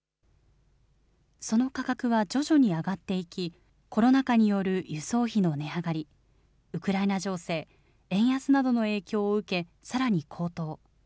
その価格は徐々に上がっていき、コロナ禍による輸送費の値上がり、ウクライナ情勢、円安などの影響を受け、さらに高騰。